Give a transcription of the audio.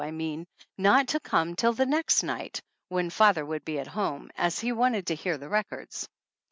I mean, not to come till the next night when father 48 THE ANNALS OF ANN would be at home, as he wanted to hear the records.